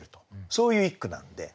そういう一句なので。